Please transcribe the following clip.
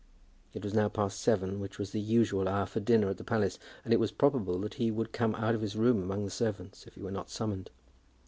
It was now past seven, which was the usual hour for dinner at the palace, and it was probable that he would come out of his room among the servants, if he were not summoned.